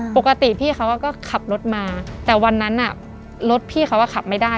ปกติพี่เขาก็ขับรถมาแต่วันนั้นรถพี่เขาก็ขับไม่ได้